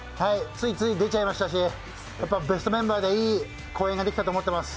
ついつい出ちゃいましたし、ベストメンバーでいい公演ができたと思ってます。